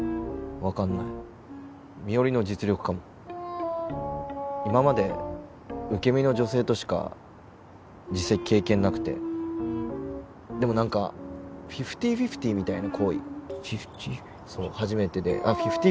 分かんない美織の実力かも今まで受け身の女性としか実際経験なくてでも何かフィフティーフィフティーみたいな行為フィフティーフィフティー